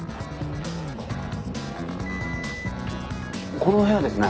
この部屋ですね。